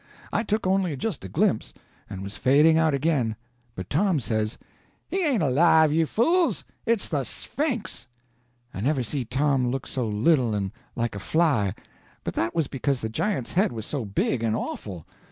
I took only just a glimpse, and was fading out again, but Tom says: "He ain't alive, you fools; it's the Sphinx!" I never see Tom look so little and like a fly; but that was because the giant's head was so big and awful.